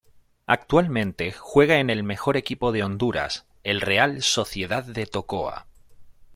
Actualmente juega en el mejor equipo de Honduras, el Real Sociedad de Tocoa.